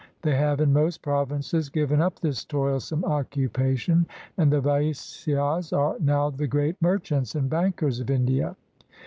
They have in most provinces given up this toilsome occupa tion, and the Vaisyas are now the great merchants and bankers of India.